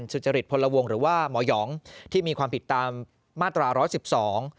สุจริตพลวงหรือว่าหมอหยองที่มีความผิดตามมาตราร้อยสิบสอง